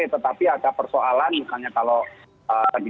tetapi ada persoalan misalnya kalau di